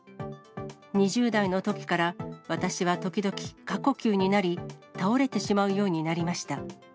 ２０代のときから私は時々、過呼吸になり、倒れてしまうようになりました。